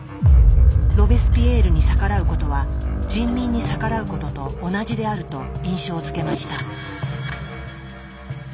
ロベスピエールに逆らうことは人民に逆らうことと同じであると印象づけました。